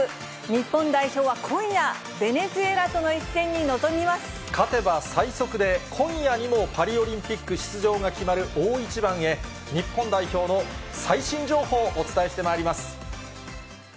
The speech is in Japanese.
日本代表は今夜、勝てば、最速で今夜にもパリオリンピック出場が決まる大一番へ、日本代表の最新情報、お伝えしてまいります。